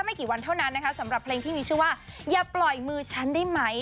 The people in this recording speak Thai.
กี่วันเท่านั้นนะคะสำหรับเพลงที่มีชื่อว่าอย่าปล่อยมือฉันได้ไหม